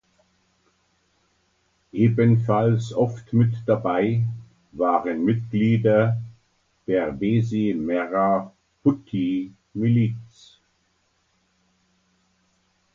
Ebenfalls oft mit dabei waren Mitglieder der Besi Merah Putih-Miliz.